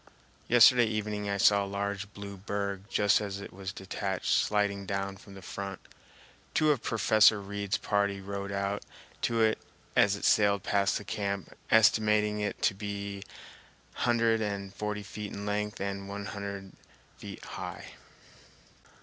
Yesterday evening I saw a large blue berg just as it was detached sliding down from the front. Two of Professor Reid's party rowed out to it as it sailed past the camp, estimating it to be two hundred and forty feet in length and one hundred feet high.